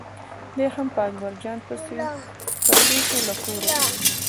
دی هم په اکبر جان پسې شو له کوره ووت.